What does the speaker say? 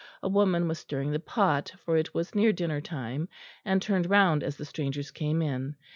A woman was stirring the pot, for it was near dinner time, and turned round as the strangers came in.